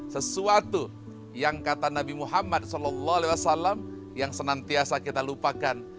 sesuatu yang kata nabi muhammad saw yang senantiasa kita lupakan